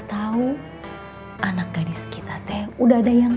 tahu anak gadis kita teh udah ada yang